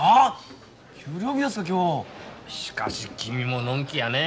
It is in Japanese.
しかし君ものんきやね。